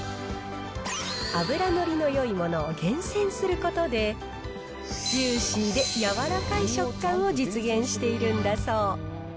脂乗りのよいものを厳選することで、ジューシーで柔らかい食感を実現しているんだそう。